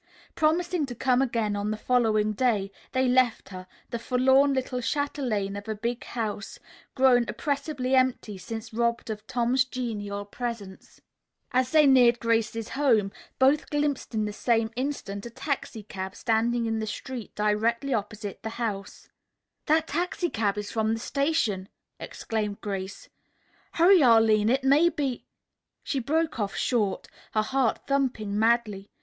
Promising to come again on the following day they left her, the forlorn little chatelaine of a big house, grown oppresively empty since robbed of Tom's genial presence. As they neared Grace's home, both glimpsed in the same instant a taxicab standing in the street directly opposite to the house. "That taxicab is from the station!" exclaimed Grace. "Hurry, Arline, it may be " She broke off short, her heart thumping madly.